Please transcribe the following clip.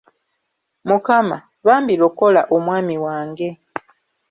Mukama, bambi lokola omwami wange.